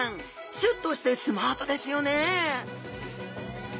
シュッとしてスマートですよねえ！